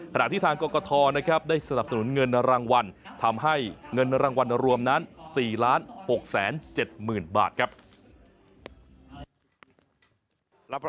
ทางกรกฐนะครับได้สนับสนุนเงินรางวัลทำให้เงินรางวัลรวมนั้น๔๖๗๐๐๐บาทครับ